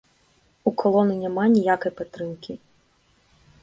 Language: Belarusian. У калоны няма ніякай падтрымкі!